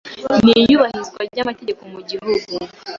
n’ iyubahirizwa ry’amategeko mu gihugu.